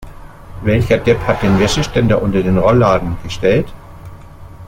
Welcher Depp hat den Wäscheständer unter den Rollladen gestellt?